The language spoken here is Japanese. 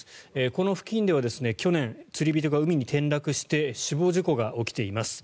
この付近では去年、釣り人が海に転落して死亡事故が起きています。